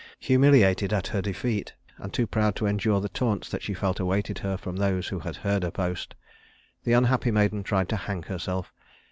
Humiliated at her defeat, and too proud to endure the taunts that she felt awaited her from those who had heard her boast, the unhappy maiden tried to hang herself.